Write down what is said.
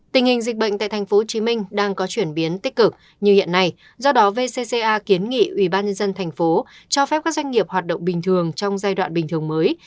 tình hình dịch bệnh tại tp hcm đang có chuyển biến tích cực như hiện nay do đó vcca kiến nghị ubnd tp cho phép các doanh nghiệp hoạt động bình thường trong giai đoạn bình thường mới